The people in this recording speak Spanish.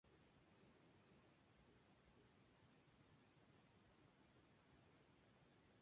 Es más, Colville jamás escuchó a Churchill hablar de Stephenson.